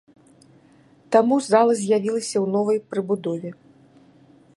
Таму зала з'явілася ў новай прыбудове.